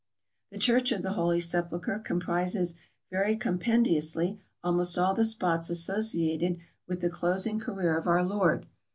The Church of the Holy Sepulchre comprises very com pendiously almost all the spots associated with the closing career of our Lord.